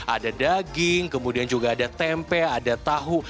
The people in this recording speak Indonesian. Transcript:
ada daging kemudian juga ada tempe ada tahu